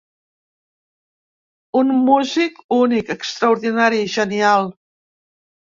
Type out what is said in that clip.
Un músic únic, extraordinari, genial.